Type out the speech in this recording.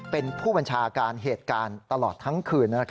เป็นผู้บัญชาการเหตุการณ์ตลอดทั้งคืน